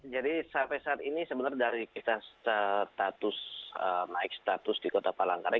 jadi sampai saat ini sebenarnya dari kita status naik status di kota palangkaraya